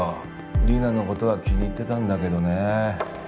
リナのことは気に入ってたんだけどね。